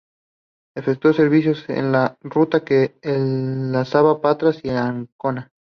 Efectuó servicios en la ruta que enlazaba Patras y Ancona.